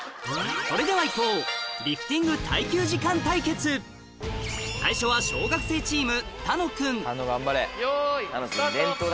それではいこう最初は用意スタート。